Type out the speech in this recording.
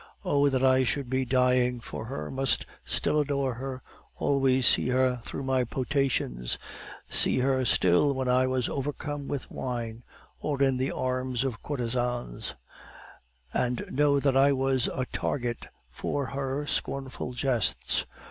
Oh, that I should be dying for her, must still adore her, always see her through my potations, see her still when I was overcome with wine, or in the arms of courtesans; and know that I was a target for her scornful jests!